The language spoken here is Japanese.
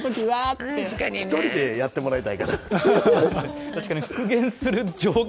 １人でやってもらいたいかな。